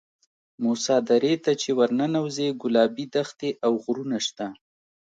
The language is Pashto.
موسی درې ته چې ورننوځې ګلابي دښتې او غرونه شته.